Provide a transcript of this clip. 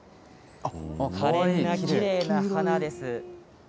かれんなきれいな花です。